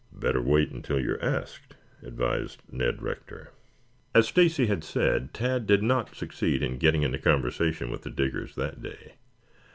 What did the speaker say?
"Better wait until you are asked," advised Ned Rector. As Stacy had said, Tad did not succeed in getting into conversation with the Diggers that day.